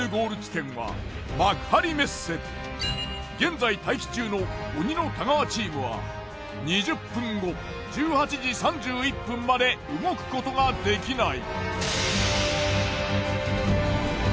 現在待機中の鬼の太川チームは２０分後１８時３１分まで動くことができない。